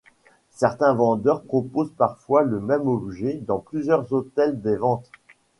Certains vendeurs proposent parfois le même objet dans plusieurs hôtels des ventes.